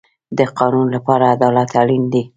د قانون لپاره عدالت اړین دی